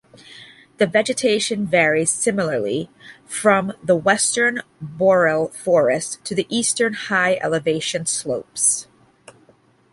The vegetation varies similarly, from the western boreal forest, to the eastern high-elevation steppe.